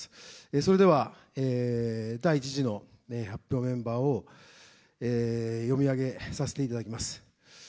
それでは、第１次の発表メンバーを読み上げさせていただきます。